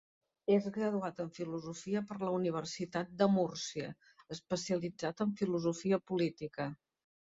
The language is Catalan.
És graduat en filosofia per la Universitat de Múrcia, especialitzat en filosofia política.